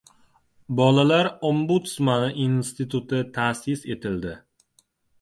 Bolalar ombudsmani instituti ta’sis etildi